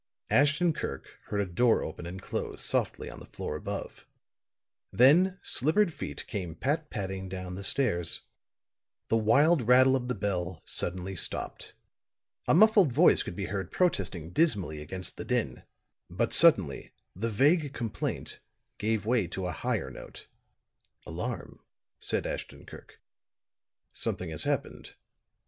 Ashton Kirk heard a door open and close softly on the floor above; then slippered feet came pat patting down the stairs. The wild rattle of the bell suddenly stopped; a muffled voice could be heard protesting dismally against the din. But suddenly the vague complaint gave way to a higher note. "Alarm," said Ashton Kirk. "Something has happened."